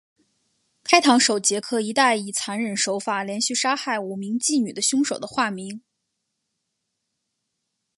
开膛手杰克一带以残忍手法连续杀害五名妓女的凶手的化名。